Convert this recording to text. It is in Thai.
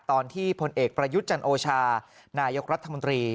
ตอนที่พลเอกปรยุจรรโอชานายกรัฐมนตรี